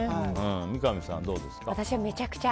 三上さん、どうですか。